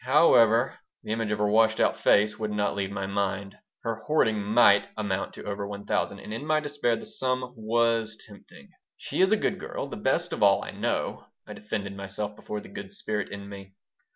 However, the image of her washed out face would not leave my mind. Her hoarding might amount to over one thousand, and in my despair the sum was tempting. "She is a good girl, the best of all I know," I defended myself before the "Good Spirit" in me.